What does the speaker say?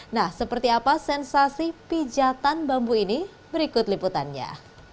nah seperti apa sensasi pijatan bambu ini berikut liputannya